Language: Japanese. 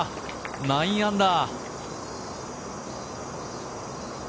９アンダー。